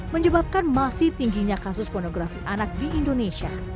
menyebabkan masih tingginya kasus pornografi anak di indonesia